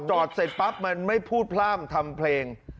จอดเสร็จปั๊บมันไม่พูดพร่ำทำเพลง